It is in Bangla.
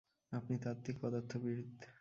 আপনি তাত্ত্বিক পদার্থবিদ।